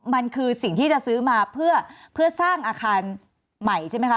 มันคือสิ่งที่จะซื้อมาเพื่อสร้างอาคารใหม่ใช่ไหมคะ